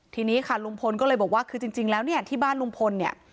ทีนี้ค่ะลุงพลก็เลยบอกว่าคือจริงแล้วเนี่ยที่บ้านลุงพลเนี่ย